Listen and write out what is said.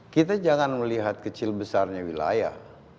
kita jangan melihat kecil besarnya wilayah